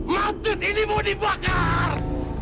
masjid ini mau dibakar